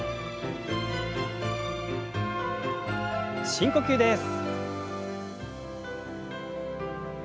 深呼吸です。